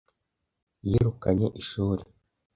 Yirukanye ishuri.